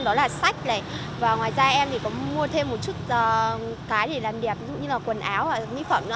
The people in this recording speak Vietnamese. đó là sách này và ngoài ra em có mua thêm một chút cái để làm đẹp như là quần áo mỹ phẩm